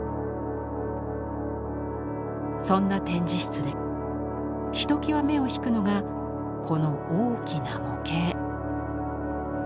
そんな展示室でひときわ目を引くのがこの大きな模型。